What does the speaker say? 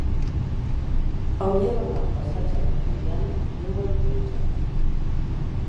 Hauria d'anar al passatge d'Antaviana número tretze.